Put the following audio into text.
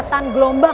kita harus berubah